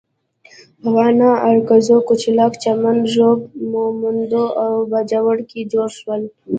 په واڼه، ارکزو، کچلاک، چمن، ږوب، مومندو او باجوړ کې جوړ شول.